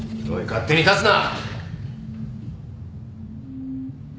勝手に立つな！